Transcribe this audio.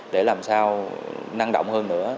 để làm sao năng động hơn nữa